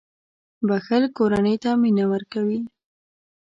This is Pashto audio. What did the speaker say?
• بښل کورنۍ ته مینه ورکوي.